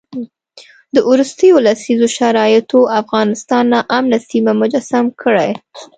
د وروستیو لسیزو شرایطو افغانستان ناامنه سیمه مجسم کړی.